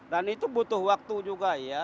dan itu butuh waktu juga ya